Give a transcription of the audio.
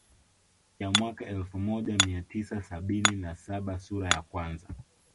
Ya mwaka elfu moja mia tisa sabini na saba sura ya kwanza